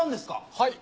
はい。